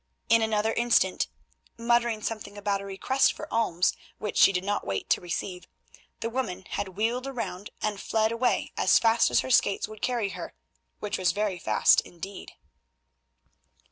In another instant, muttering something about a request for alms which she did not wait to receive, the woman had wheeled round and fled away as fast as her skates would carry her—which was very fast indeed.